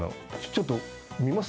ちょっと見ます？